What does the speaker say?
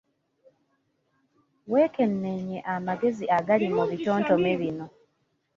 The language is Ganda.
Wekenneenye amagezi agali mu bitontome bino.